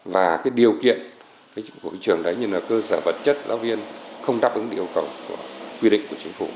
và điều kiện của trường đấy như cơ sở vật chất giáo viên không đáp ứng yêu cầu của quy định của chính phủ